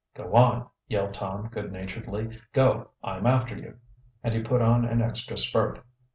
"Go on!" yelled Tom good naturedly. "Go! I'm after you!" and he put on an extra spurt.